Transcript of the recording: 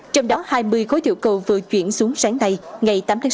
trong đó hai mươi khối tiểu cầu vừa chuyển xuống sáng nay ngày tám tháng sáu